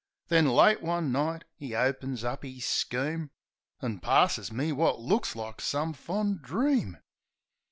Then, late one night, 'e opens up 'is scheme, An' passes me wot looks like some fond dream.